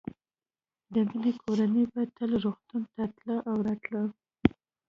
د مينې کورنۍ به تل روغتون ته تله او راتله